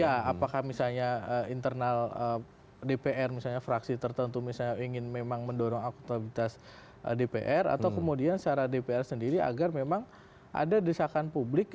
ya apakah misalnya internal dpr misalnya fraksi tertentu misalnya ingin memang mendorong akutabilitas dpr atau kemudian secara dpr sendiri agar memang ada desakan publik